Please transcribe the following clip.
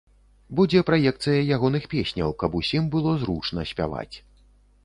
Будзе праекцыя ягоных песняў, каб усім было зручна спяваць.